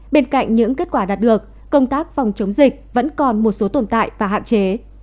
bên cạnh những kết quả đạt được công tác phòng chống dịch vẫn còn một số tồn tại và hạn chế